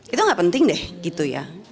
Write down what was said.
itu gak penting deh gitu ya